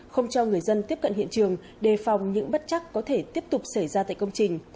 không cho người dân tiếp cận hiện trường đề phòng những bất chắc có thể tiếp tục xảy ra tại công trình